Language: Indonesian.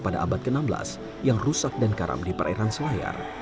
pada abad ke enam belas yang rusak dan karam di perairan selayar